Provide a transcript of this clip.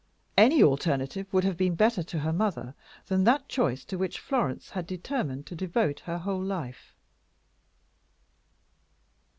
Any alternative would have been better to her mother than that choice to which Florence had determined to devote her whole life.